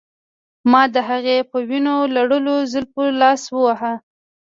ما د هغې په وینو لړلو زلفو لاس واهه